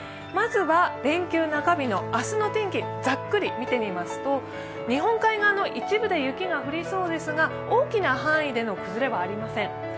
まずは、連休中日の明日の天気、ざっくり見てみますと、日本海側の一部で雪が降りそうですが大きな範囲での崩れはありません。